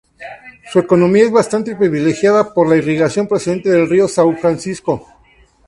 Su economía es bastante privilegiada por la irrigación procedente del Río São Francisco.